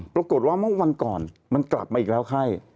เมื่อวันก่อนมันกลับมาอีกแล้วไข้